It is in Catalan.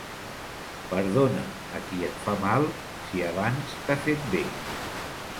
Perdona a qui et fa mal, si abans t'ha fet bé.